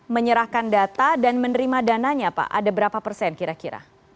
menyerahkan data dan menerima dananya pak ada berapa persen kira kira